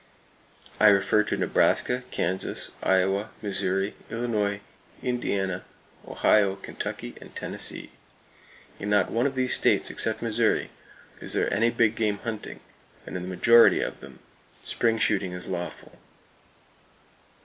I refer to Nebraska, Kansas, Iowa, Missouri, Illinois, Indiana, Ohio, Kentucky and Tennessee. In not one of these states except Missouri is there any big game hunting, and in the majority of them spring shooting is lawful!